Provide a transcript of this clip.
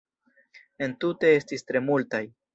Entute estis tre multaj.